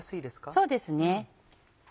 そうですね。